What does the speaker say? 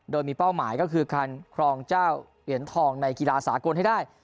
โดยมีเป้าหมายก็คือการครองเจ้าเหรียญทองในกีฬาสากลให้ได้